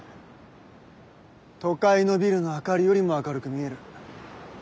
都会のビルの明かりよりも明るく見える。